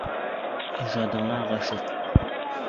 Ижадыңа ғашиҡ.